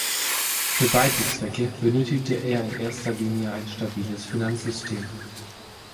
Für beide Zwecke benötigte er in erster Linie ein stabiles Finanzsystem.